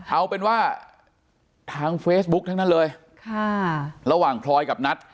เอาเป็นว่าทางเฟซบุ๊กทั้งนั้นเลยค่ะระหว่างพลอยกับนัท